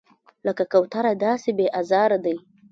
لکه کوتره داسې بې آزاره دی.